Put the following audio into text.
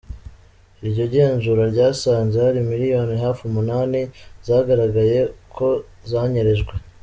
Iryo genzura ryasanze hari miliyoni hafi umunani zagaragaye ko zanyerejwe.